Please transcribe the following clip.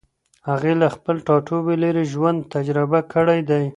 هغې له خپل ټاټوبي لېرې ژوند تجربه کړی دی.